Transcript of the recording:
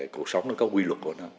cuộc sống nó có quy luật của nó